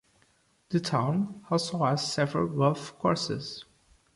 The town also has several golf courses.